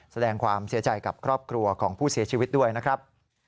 แสดงความเสียใจกับครอบครัวของผู้เสียชีวิตด้วยนะครับ